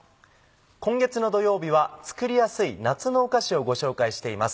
今月の土曜日は作りやすい夏のお菓子をご紹介しています。